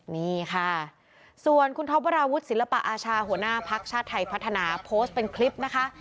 นี่ค่ะส่วนคุณท็อปวราวุฒิศิลปะอาชาหัวหน้าภักดิ์ชาติไทยพัฒนาโพสต์เป็นคลิปนะคะ